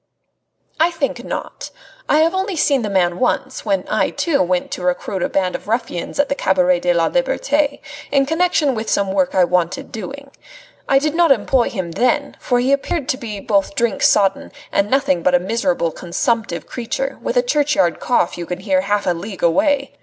"I think not. I have only seen the man once, when I, too, went to recruit a band of ruffians at the Cabaret de la Liberte, in connection with some work I wanted doing. I did not employ him then, for he appeared to me both drink sodden and nothing but a miserable, consumptive creature, with a churchyard cough you can hear half a league away.